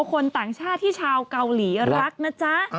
คนต่างชาติที่ชาวเกาหลีรักนะจ๊ะ